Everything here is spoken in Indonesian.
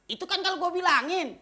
itu kan kalau gue bilangin